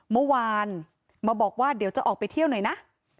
เมื่อวานมาบอกว่าเดี๋ยวจะออกไปเที่ยวหน่อยนะ